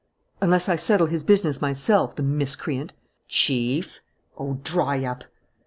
"Unless I settle his business myself, the miscreant!" "Chief!" "Oh, dry up!"